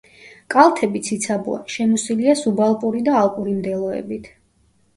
კალთები ციცაბოა, შემოსილია სუბალპური და ალპური მდელოებით.